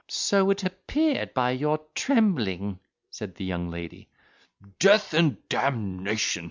"So it appeared, by your trembling," said the young lady. "Death and d—ion!"